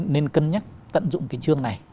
nên cân nhắc tận dụng cái chương này